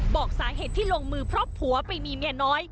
บอกสาเหตุที่ลงมือเพราะผัวไปมีเมียน้อย